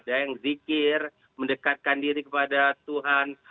berpikir mendekatkan diri kepada tuhan